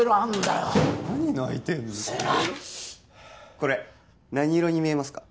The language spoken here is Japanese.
これ何色に見えますか？